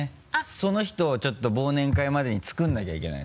その人をちょっと忘年会までに作らなきゃいけない。